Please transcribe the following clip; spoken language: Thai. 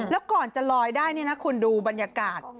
แล้วก่อนจะลอยได้นี่นะคุณดูบรรยากาศ